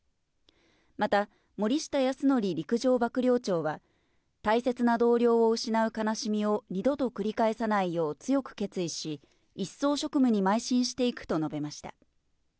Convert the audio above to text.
また、森下泰臣陸上幕僚長は、大切な同僚を失う悲しみを二度と繰り返さないよう強く決意し、一層、職務にまい進していくと述べました。